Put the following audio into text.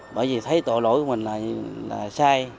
bởi vì thấy tội lỗi của mình là sai